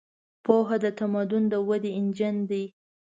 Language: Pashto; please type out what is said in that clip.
پوهه د تمدن د ودې انجن دی.